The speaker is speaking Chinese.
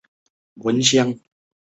珠崖郡人。